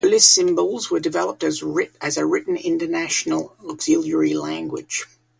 Blissymbols were developed as a written international auxiliary language.